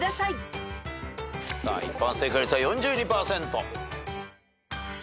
一般正解率は４２％。